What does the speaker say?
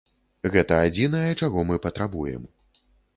Гэта адзінае, чаго мы патрабуем.